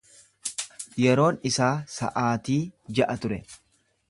Yeroon isaa sa'aatii ja'a ture.